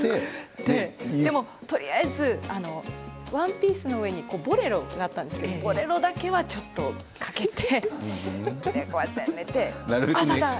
とりあえずワンピースの上にボレロがあったんですけどボレロだけはちょっと掛けて。